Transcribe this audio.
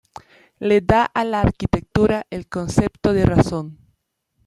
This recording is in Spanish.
Le da a la arquitectura el concepto de razón.